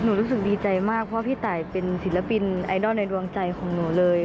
รู้สึกดีใจมากเพราะพี่ตายเป็นศิลปินไอดอลในดวงใจของหนูเลย